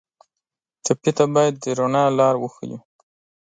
ټپي ته باید د رڼا لار وښیو.